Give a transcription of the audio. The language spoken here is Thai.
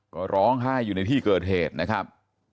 ก็ร้องไห้อยู่ในที่เกิดเหตุนะครับ